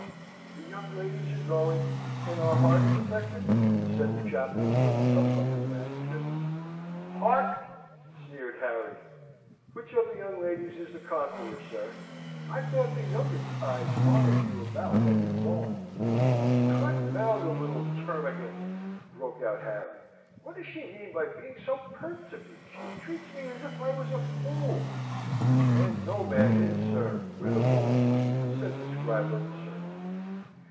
"The young ladies are going, and our heart is affected?" said the chaplain, looking up from his manuscript. "Heart!" sneered Harry. "Which of the young ladies is the conqueror, sir? I thought the youngest's eyes followed you about at your ball." "Confound the little termagant!" broke out Harry. "What does she mean by being so pert to me? She treats me as if I was a fool!" "And no man is, sir, with a woman!" said the scribe of the sermon.